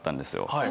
はい。